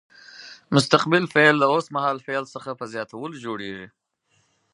مستقبل فعل له اوس مهال فعل څخه په زیاتولو جوړیږي.